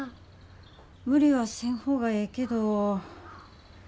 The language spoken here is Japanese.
無理はせん方がええけど。